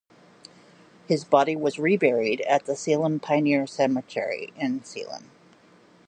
His body was reburied in the Salem Pioneer Cemetery in Salem.